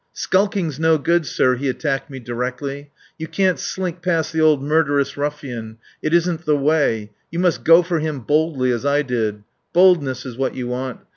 "Skulking's no good, sir," he attacked me directly. "You can't slink past the old murderous ruffian. It isn't the way. You must go for him boldly as I did. Boldness is what you want.